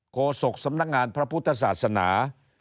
โศกสำนักงานพระพุทธศาสนา